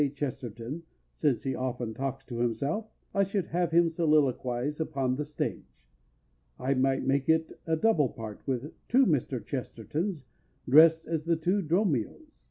Chesterton, since he often talks to himself, I should have him soliloquize upon the stage. I might make it a double part with two Mr. Chestertons dressed as the two Dromios.